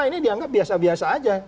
ini dianggap biasa biasa aja